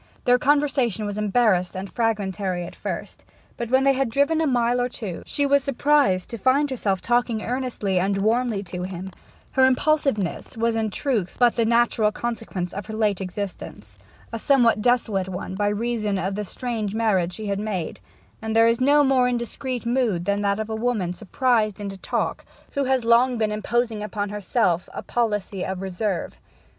Their conversation was embarrassed and fragmentary at first; but when they had driven a mile or two she was surprised to find herself talking earnestly and warmly to him: her impulsiveness was in truth but the natural consequence of her late existence a somewhat desolate one by reason of the strange marriage she had made; and there is no more indiscreet mood than that of a woman surprised into talk who has long been imposing upon herself a policy of reserve.